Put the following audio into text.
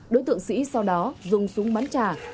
đối tượng sĩ sau đó dùng súng bắn trả